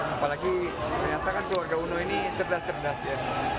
apalagi ternyata kan keluarga uno ini cerdas cerdas ya